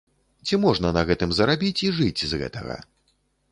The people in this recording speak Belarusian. Ці можна на гэтым зарабіць і жыць з гэтага?